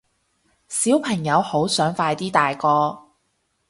小朋友好想快啲大個